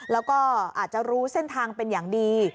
แล้วก็อาจจะรู้เส้นทางเป็นอย่างดี